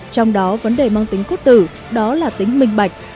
trong đó vấn đề mang tính cốt tử đó là tính minh bạch